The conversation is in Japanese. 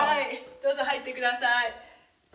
どうぞ入ってください。